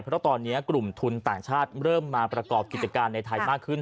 เพราะตอนนี้กลุ่มทุนต่างชาติเริ่มมาประกอบกิจการในไทยมากขึ้น